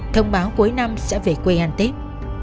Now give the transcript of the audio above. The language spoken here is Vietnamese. thông báo cuối năm sẽ về quê hàn tết